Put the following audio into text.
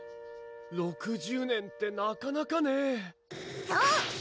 ６０年ってなかなかねぇそう！